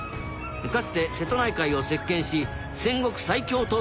かつて瀬戸内海を席けんし戦国最強とうたわれた海賊です。